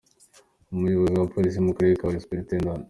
Umuyobozi wa Polisi mu karere ka Huye , Supt.